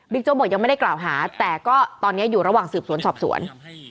โจ๊กบอกยังไม่ได้กล่าวหาแต่ก็ตอนนี้อยู่ระหว่างสืบสวนสอบสวน